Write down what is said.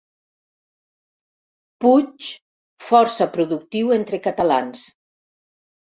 Puig, força productiu entre catalans.